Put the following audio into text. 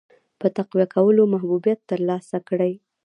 په تقویه کولو محبوبیت ترلاسه کړي.